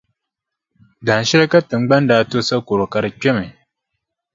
Dahinshɛli ka Tiŋgbani daa to sakɔro ka di kpɛmi.